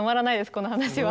この話は。